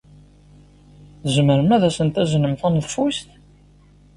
Tzemrem ad asen-taznem taneḍfust?